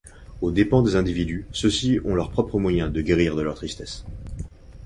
Aux dépens des individus, ceux-ci ont leur propre moyen de guérir de leur tristesse.